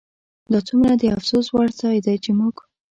دا څومره د افسوس وړ ځای دی چې موږ